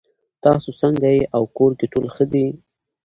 تاسو څنګه یې او کور کې ټول ښه دي